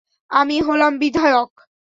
আমি হলাম বিধায়ক।